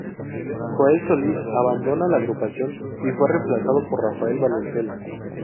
Joel Solís abandona la agrupación y fue reemplazado por Rafael Valenzuela.